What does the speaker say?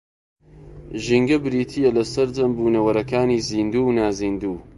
ژینگە بریتییە لە سەرجەم بوونەوەرانی زیندوو و نازیندوو